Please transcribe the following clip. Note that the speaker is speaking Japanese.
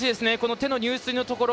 手の入水のところ。